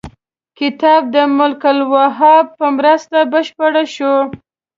کتاب د ملک الوهاب په مرسته بشپړ شو.